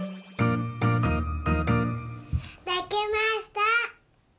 できました！